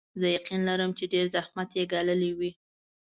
زه یقین لرم چې ډېر زحمت یې ګاللی وي.